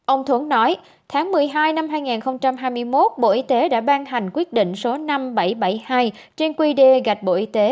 ông thống nói tháng một mươi hai năm hai nghìn hai mươi một bộ y tế đã ban hành quyết định số năm nghìn bảy trăm bảy mươi hai trên qd gạch bộ y tế